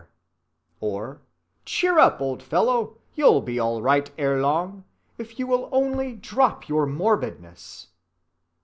or "Cheer up, old fellow, you'll be all right erelong, if you will only drop your morbidness!"